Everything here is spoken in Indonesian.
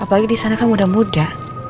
apalagi disana kan muda muda